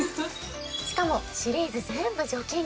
しかもシリーズ全部除菌機能付き。